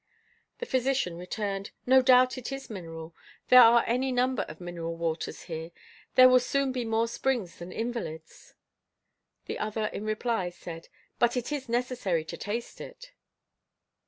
The physician returned: "No doubt it is mineral. There are any number of mineral waters here. There will soon be more springs than invalids." The other in reply said: "But it is necessary to taste it."